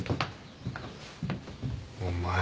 お前。